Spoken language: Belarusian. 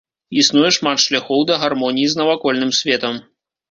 Існуе шмат шляхоў да гармоніі з навакольным светам.